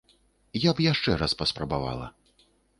Я б яшчэ раз паспрабавала.